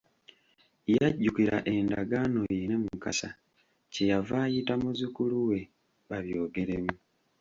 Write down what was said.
Yajjukira endagaano ye ne Mukasa kye yava ayita muzzukulu we babyogeremu.